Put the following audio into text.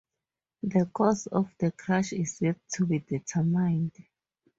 The cause of the crash is yet to be determined.